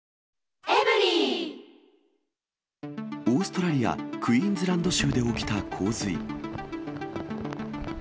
オーストラリア・クイーンズランド州で起きた洪水。